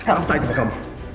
sekarang aku tanya kepada kamu